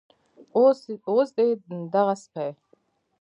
اوس دې دغه سپي